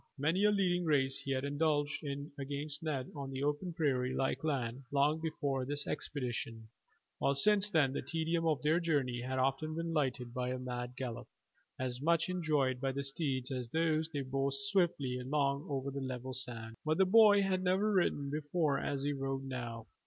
Many a leading race he had indulged in against Ned on the open prairie like land long before this expedition, while since then the tedium of their journey had often been lightened by a mad gallop, as much enjoyed by the steeds as by those they bore swiftly along over the level sands; but the boy had never ridden before as he rode now.